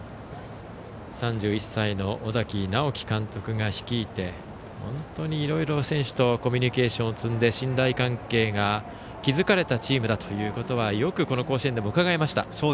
３１歳の尾崎直輝監督が率いて本当にいろいろ選手とコミュニケーションを積んで信頼関係が築かれたチームだということはよくこの甲子園でもうかがえました。